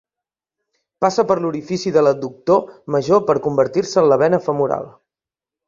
Passa per l'orifici de l'adductor major per convertir-se en la vena femoral.